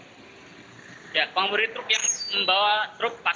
tersisa lagi pesawat yang berkembang